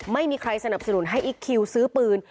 ไม่มีใครสนับสนุนให้อิ๊กคิวซื้อปืน